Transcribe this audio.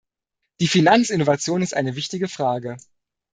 Die Finanzinnovation ist eine wichtige Frage.